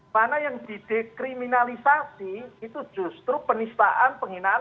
mana yang di dekriminalisasi itu justru penistaan penghinaan